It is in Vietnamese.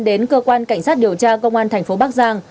đến cơ quan cảnh sát điều tra công an thành phố bắc giang